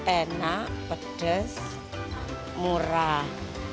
enak pedas murah